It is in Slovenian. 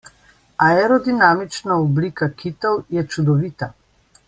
Aerodinamična oblika kitov je čudovita.